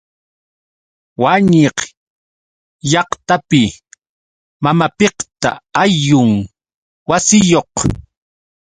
Wañik llaqtapi mamapiqta ayllun wasiyuq.